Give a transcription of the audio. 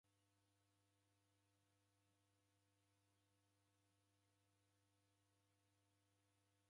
W'eredinekieghe momu ghwaw'o angu w'iseragha iguri.